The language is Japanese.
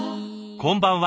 こんばんは。